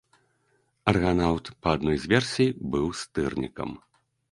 Арганаўт, па адной з версій, быў стырнікам.